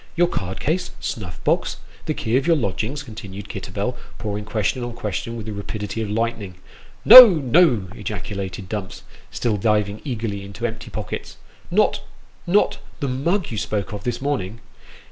" Your card case ? snuff box ? the key of your lodgings ?" continued Kitterbell, pouring question on question with the rapidity of lightning. " No ! no !" ejaculated Dumps, still diving eagerly into his empty pockets. " Not not the mug you spoke of this morning